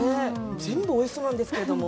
全部おいしそうなんですけども。